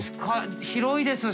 広いですし。